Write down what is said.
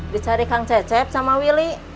dicari kang cecep sama willy